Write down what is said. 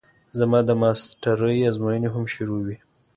زما د ماسټرۍ ازموينې هم شروع وې.